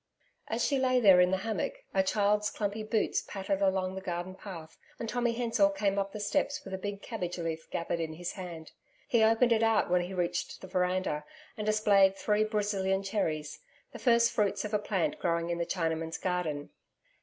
As she lay there in the hammock, a child's clumpy boots pattered along the garden path and Tommy Hensor came up the steps with a big cabbage leaf gathered in his hand. He opened it out when he reached the veranda and displayed three Brazilian cherries, the first fruits of a plant growing in the Chinaman's garden.